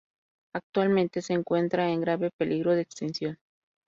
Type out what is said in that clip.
Actualmente se encuentra en grave peligro de extinción.